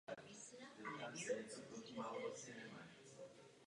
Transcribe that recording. Z hlediska církevní správy patřil do litoměřické diecéze.